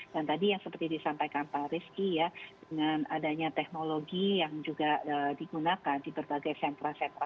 dan tadi yang seperti disampaikan pak rizky ya dengan adanya teknologi yang juga digunakan di berbagai sentra sentra vaksinasi